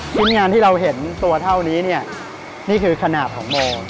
ชิ้นงานที่เราเห็นตัวเท่านี้เนี่ยนี่คือขนาดของโม